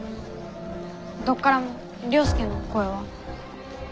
どっからも了助の声は。